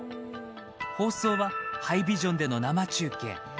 放送はハイビジョンでの生中継。